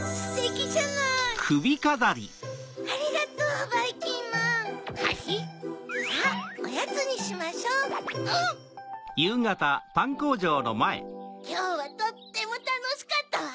きょうはとってもたのしかったわ！